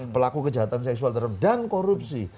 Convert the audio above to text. pelaku kejahatan seksual dan korupsi